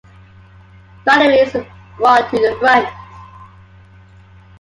Batteries were brought to the front.